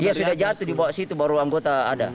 dia sudah jatuh di bawah situ baru anggota ada